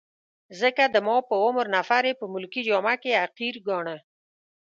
ځکه د ما په عمر نفر يې په ملکي جامه کي حقیر ګاڼه.